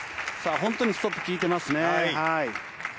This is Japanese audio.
本当にストップ効いてますね。